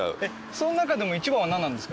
その中でも一番はなんなんですか？